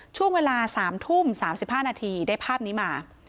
ช่วงเวลาสามทุ่มสามสิบห้านาทีได้ภาพนี้มา